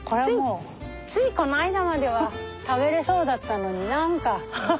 ついこの間までは食べれそうだったのに何か。